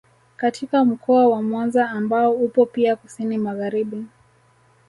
Katika mkoa wa Mwanza ambao upo pia kusini magharibi